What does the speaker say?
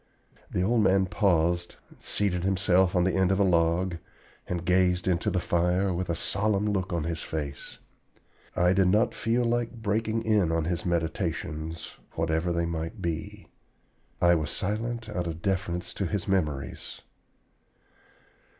..." The old man paused, seated himself on the end of a log, and gazed into the fire with a solemn look on his face. I did not feel like breaking in on his meditations, whatever they might be. I was silent out of deference to his memories.